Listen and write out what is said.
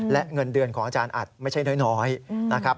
และเงินเดือนของอาจารย์อัดไม่ใช่น้อยนะครับ